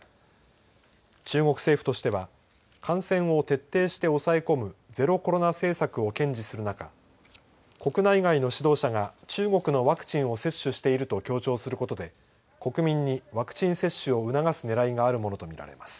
中国政府としては感染を徹底して抑え込むゼロコロナ政策を堅持する中国内外の指導者が中国のワクチンを接種していると強調することで国民にワクチン接種を促すねらいがあるものとみられます。